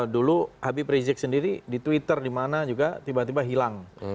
dulu habib rizieq sendiri di twitter dimana juga tiba tiba hilang